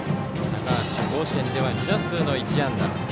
高橋、甲子園では２打数１安打。